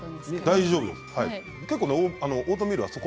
大丈夫ですはい。